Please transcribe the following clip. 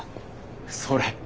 それ